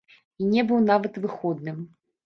І не быў нават выходным.